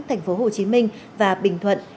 tp hcm và bình thuận